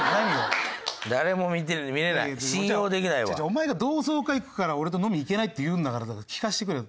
お前が同窓会行くから俺と飲みに行けないって言うんだから聞かせてくれよ。